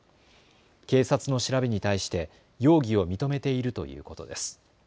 警察の調べに対して容疑を認めているということです。